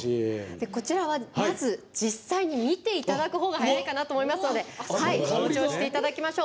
これは、実際に見ていただくほうが早いかなと思いますので登場していただきましょう。